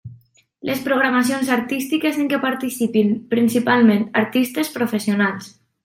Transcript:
Les programacions artístiques en què participin principalment artistes professionals.